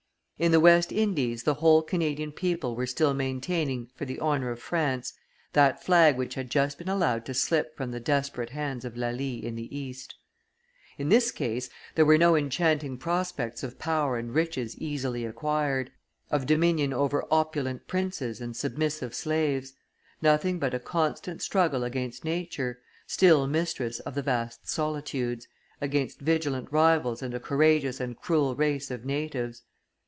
In the West Indies the whole Canadian people were still maintaining, for the honor of France, that flag which had just been allowed to slip from the desperate hands of Lally in the East. In this case, there were no enchanting prospects of power and riches easily acquired, of dominion over opulent princes and submissive slaves; nothing but a constant struggle against nature, still mistress of the vast solitudes, against vigilant rivals and a courageous and cruel race of natives.